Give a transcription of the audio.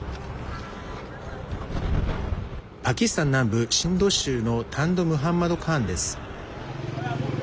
パキスタン南部シンド州のタンド・ムハンマド・カーンです。